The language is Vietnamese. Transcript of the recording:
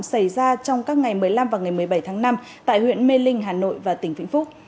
xảy ra trong các ngày một mươi năm và ngày một mươi bảy tháng năm tại huyện mê linh hà nội và tỉnh vĩnh phúc